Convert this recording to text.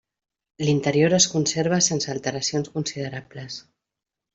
L'interior es conserva sense alteracions considerables.